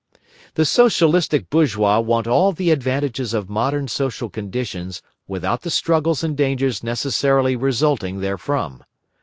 The Socialistic bourgeois want all the advantages of modern social conditions without the struggles and dangers necessarily resulting therefrom.